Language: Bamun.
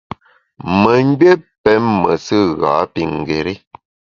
Memgbié pém mesù ghapingéri.